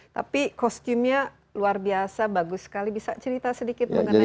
tapi kostumnya luar biasa bagus sekali bisa cerita sedikit mengenai